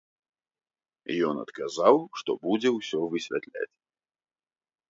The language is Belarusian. Ён адказаў, што будзе ўсё высвятляць.